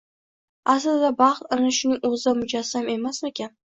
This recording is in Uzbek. Aslida baxt ana shuning o`zida mujassam emasmikan